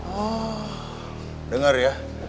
oh denger ya